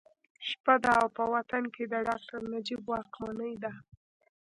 شپه ده او په وطن کې د ډاکټر نجیب واکمني ده